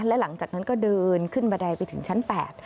และหลังจากนั้นก็เดินขึ้นบันไดไปถึงชั้น๘